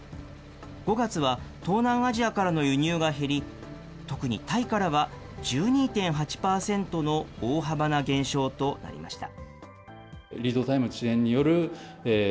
５月は東南アジアからの輸入が減り、特にタイからは１２．８％の大幅な減少となりました。